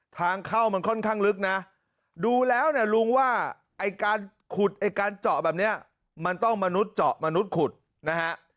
ทางเข้ามันค่อนข้างลึกนะดูแล้วเนี่ยลุงว่าไอ้การขุดไอ้การเจาะแบบนี้มันต้องมนุษย์เจาะมนุษย์ขุดนะฮะ